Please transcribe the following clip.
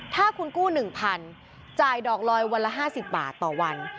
ถ้าคุณกู้หนึ่งพันจ่ายดอกร้อยวันละห้าสิบบาทต่อวัน